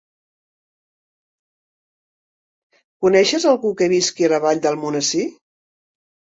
Coneixes algú que visqui a la Vall d'Almonesir?